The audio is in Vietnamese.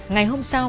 ngày hôm sau